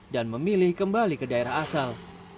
dan memilih kembali ke daerah asal